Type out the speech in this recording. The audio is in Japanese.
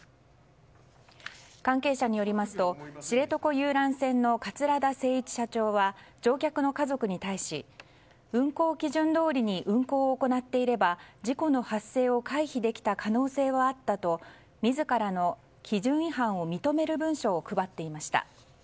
関係者によりますと知床遊覧船の桂田精一社長は乗客の家族に対し運航基準どおりに運航を行っていれば事故の発生を回避できた可能性はあったと自らの基準違反を認める文書を配っていました。